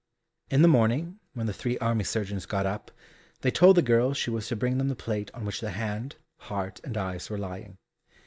In the morning when the three army surgeons got up, they told the girl she was to bring them the plate on which the hand, heart, and eyes were lying.